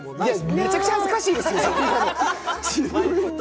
めちゃくちゃ恥ずかしいですけど。